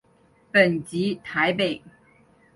本籍台北。